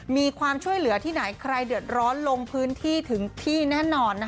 มีความช่วยเหลือที่ไหนใครเดือดร้อนลงพื้นที่ถึงที่แน่นอน